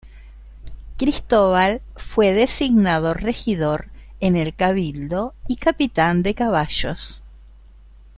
Cristóbal fue designado regidor en el Cabildo y Capitán de caballos.